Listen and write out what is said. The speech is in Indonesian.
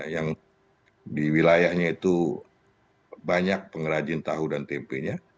yang di wilayahnya itu banyak pengrajin tahu dan tempenya